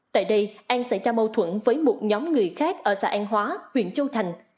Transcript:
tại đây an xảy ra mâu thuẫn với một nhóm người khác ở xã an hóa huyện châu thành